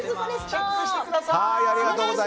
チェックしてみてください！